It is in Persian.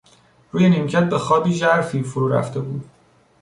روی نیمکت به خواب ژرفی فرو رفته بود.